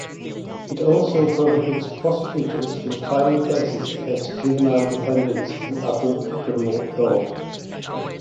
It also prohibits prosecutors from filing cases against juvenile defendants in adult criminal court.